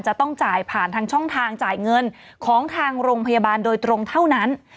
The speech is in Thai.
จะต้องจ่ายผ่านทางช่องทางจ่ายเงินของทางโรงพยาบาลโดยตรงเท่านั้น